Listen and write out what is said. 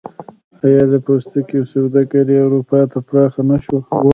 آیا د پوستکي سوداګري اروپا ته پراخه نشوه؟